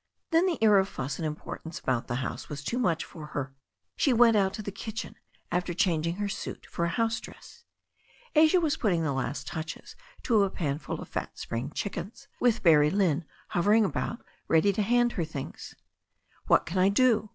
Then the air of fuss and importance about the house was too much for her. She went out to the kitchen after changing her suit for a house dress. Asia was putting the last touches to a pan full of fat spring chickens, with Barrie Lynne hovering about ready to hand her things. What can I do?"